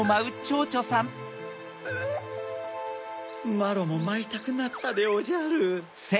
まろもまいたくなったでおじゃる。